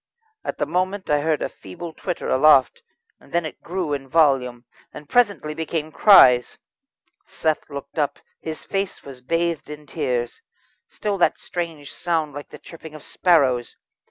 At the moment I heard a feeble twitter aloft, then it grew in volume, and presently became cries. Seth looked up; his face was bathed in tears. Still that strange sound like the chirping of sparrows.